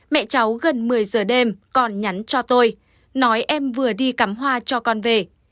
mẹ cháu gần một mươi giờ đêm còn nhắn cho tôi nói em vừa đi cắm hoa cho con về